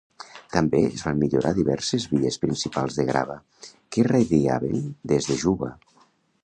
També es van millorar diverses vies principals de grava que irradiaven des de Juba.